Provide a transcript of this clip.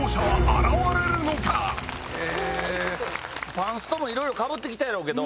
パンストもいろいろかぶって来たやろうけど。